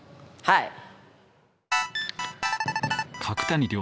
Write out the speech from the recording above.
はい。